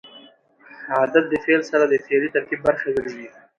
عدد د فعل سره د فعلي ترکیب برخه ګرځي.